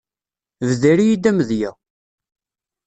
Bder-iyi-d amedya.